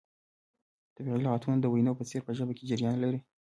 طبیعي لغتونه د وینو په څیر په ژبه کې جریان لري.